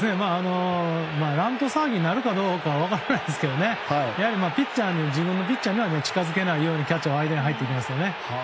乱闘騒ぎになるかどうか分からないですけど自分のピッチャーの近づけないようにキャッチャーは間に入っていきますよね。